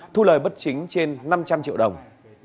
thu lời bất chính trên năm trăm linh triệu đồng